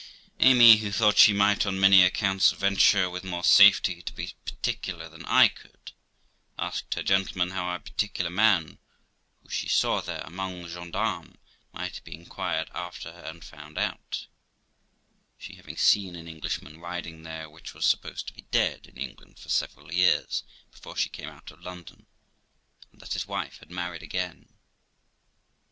Amy, who thought she might, on many accounts, venture with more safety to be particular than I could, asked her gentleman how a particular man, who she saw there among the gens cfarmes, might be inquired after and found out; she having seen an Englishman riding there which was supposed to be dead in England for several years before she came out of London, and that his wife had married again.